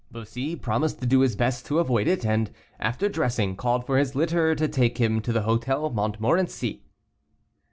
Bussy promised to do his best to avoid it, and, after dressing, called for his litter to take him to the Hôtel Montmorency.